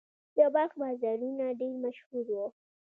د بلخ بازارونه ډیر مشهور وو